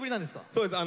そうです。